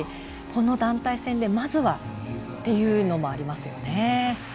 この団体戦でまずはというのもありますよね。